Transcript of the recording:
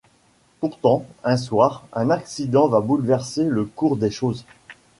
Pourtant, un soir, un accident va bouleverser le cours des choses.